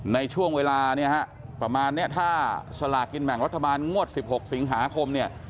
ในช่วงเวลาประมาณนี้ถ้าสลากกินแหม่งรัฐบาลงวด๑๖สิงหาคม